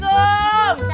kayak panduan suara